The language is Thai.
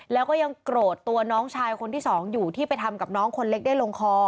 แล้วก็ยังโกรธตัวน้องชายคนที่สองอยู่ที่ไปทำกับน้องคนเล็กได้ลงคอ